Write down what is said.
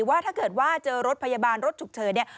ว่าถ้าเกิดว่าเจอรถพยาบาลรถฉุกเฉินเนี่ย